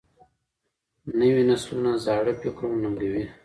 نوي نسلونه زاړه فکرونه ننګوي.